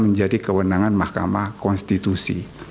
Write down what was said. menjadi kewenangan mahkamah konstitusi